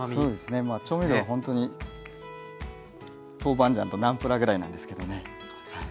調味料はほんとにトーバンジャンとナンプラーぐらいなんですけどねはい。